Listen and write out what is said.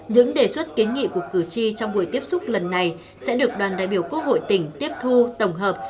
những đề xuất kiến nghị của cử tri trong buổi tiếp xúc lần này sẽ được đoàn đại biểu quốc hội tỉnh tiếp thu tổng hợp